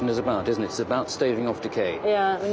はい。